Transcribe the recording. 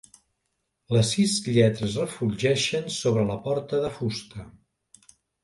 Les sis lletres refulgeixen sobre la porta de fusta.